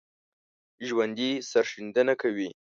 ژوندي سرښندنه کوي